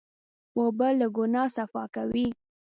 اوبه له ګناه صفا کوي.